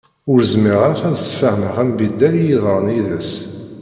Ur zmireɣ ara ad d-sfehmeɣ ambiddel i yeḍran yid-s.